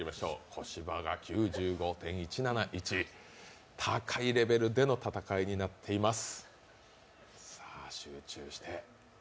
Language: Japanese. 小柴が９５．１７１、高いレベルでの戦いになっています。